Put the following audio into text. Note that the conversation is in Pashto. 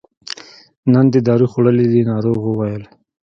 نن دې دارو خوړلي دي ناروغ وویل.